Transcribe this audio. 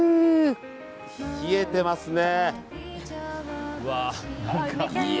冷えてますね。